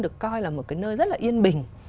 được coi là một cái nơi rất là yên bình